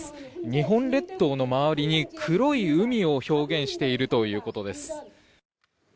日本列島の周りに黒い海を表現しているということです。